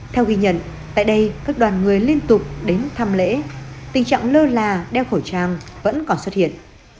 theo ghi nhận tại đây các đoàn người liên tục đến thăm lễ tình trạng lơ là đeo khẩu trang vẫn còn xuất hiện